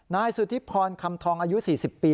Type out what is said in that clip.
นายสุธิพรคำทองอายุ๔๐ปี